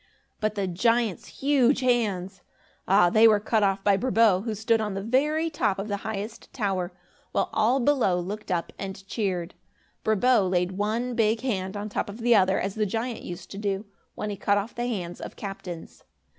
But the giant's huge hands! Ah, they were cut off by Brabo, who stood on the very top of the highest tower, while all below looked up and cheered. Brabo laid one big hand on top of the other, as the giant used to do, when he cut off the hands of captains.